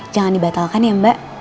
jangan dibatalkan ya mbak